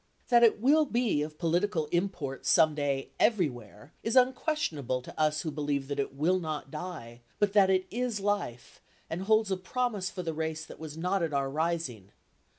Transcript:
That it will be of political import some day everywhere is unquestionable to us who believe that it will not die, but that it is life and "holds a promise for the race that was not at our rising."